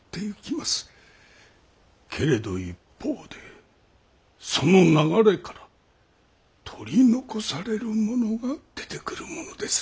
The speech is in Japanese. けれど一方でその流れから取り残される者が出てくるものです。